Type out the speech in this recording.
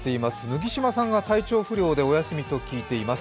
麦島さんが体調不良でお休みと聞いています。